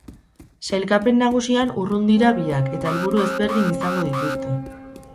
Sailkapen nagusian urrun dira biak eta helburu ezberdin izango dituzte.